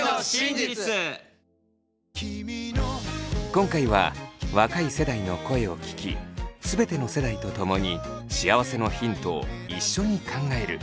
今回は若い世代の声を聴き全ての世代とともに幸せのヒントを一緒に考える。